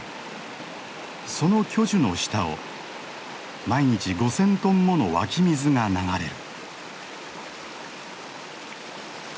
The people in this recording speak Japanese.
その巨樹の下を毎日５，０００トンもの湧き水が流れる。